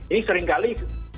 ini sering kali